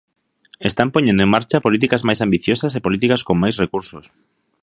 Están poñendo en marcha políticas máis ambiciosas e políticas con máis recursos.